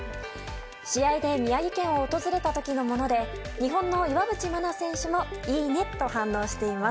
試合で宮城県を訪れた時のもので日本の岩渕真奈選手もいいね！と反応しています。